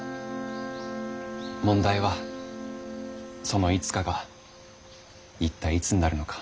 問題はその「いつか」が一体いつになるのか。